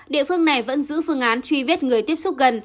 địa phương này vẫn giữ phương án truy vết người tiếp xúc gần